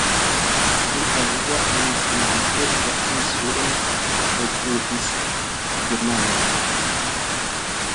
Dum la dua mondmilito, la insulon okupis germanoj.